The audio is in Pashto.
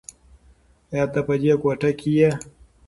ایا ته په دې کوټه کې یې؟